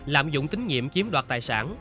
lạm dụng tín nhiệm chiếm đoạt tài sản